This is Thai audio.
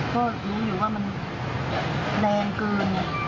ก็รู้อยู่ว่ามันแรงเกิน